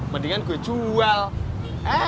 mendingan gue cungkup ya emak